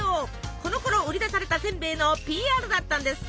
このころ売り出されたせんべいのＰＲだったんですって！